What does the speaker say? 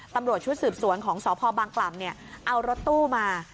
ตำรวจชุดสืบสวนของสพบางกล่ำเอารถตู้มา